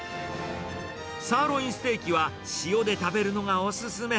サーロインステーキは、塩で食べるのがお勧め。